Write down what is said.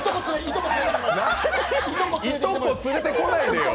いとこ連れてこないでよ！